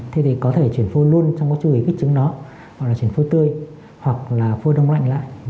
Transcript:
thế thì có thể chuyển phôi luôn trong chữ lý kích trứng đó hoặc là chuyển phôi tươi hoặc là phôi đông lạnh lại